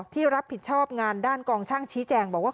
ที่รับผิดชอบงานด้านกองช่างชี้แจงบอกว่า